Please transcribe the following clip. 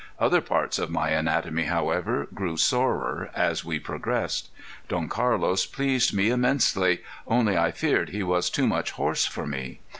Other parts of my anatomy, however, grew sorer as we progressed. Don Carlos pleased me immensely, only I feared he was too much horse for me.